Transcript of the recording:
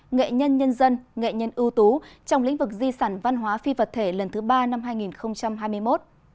nghệ nhân nhân dân nghệ nhân ưu tú trong lĩnh vực di sản văn hóa phi vật thể lần thứ ba năm hai nghìn hai mươi một